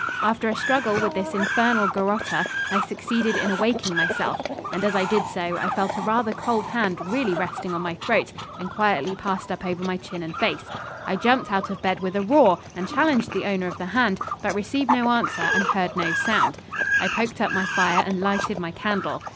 After a struggle with this infernal garotter, I succeeded in awaking myself; and as I did so, I felt a rather cold hand really resting on my throat, and quietly passed up over my chin and face. I jumped out of bed with a roar, and challenged the owner of the hand, but received no answer, and heard no sound. I poked up my fire and lighted my candle.